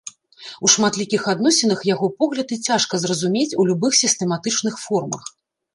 У шматлікіх адносінах яго погляды цяжка зразумець у любых сістэматычных формах.